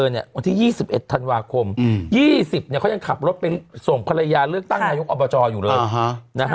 วันที่๒๑ธันวาคม๒๐เขายังขับรถไปส่งภรรยาเลือกตั้งนายกอบจอยู่เลย